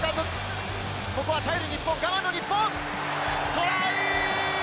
トライ！